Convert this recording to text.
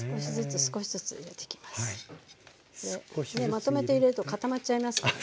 まとめて入れると固まっちゃいますからね。